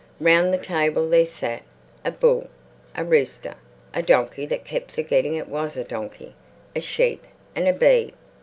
Round the table there sat a bull, a rooster, a donkey that kept forgetting it was a donkey, a sheep and a bee.